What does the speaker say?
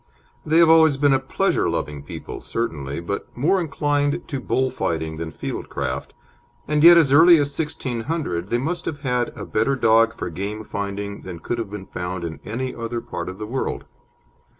They have always been a pleasure loving people, certainly, but more inclined to bull fighting than field craft, and yet as early as 1600 they must have had a better dog for game finding than could have been found in any other part of the world.